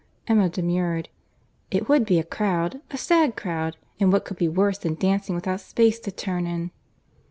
Emma demurred. "It would be a crowd—a sad crowd; and what could be worse than dancing without space to turn in?"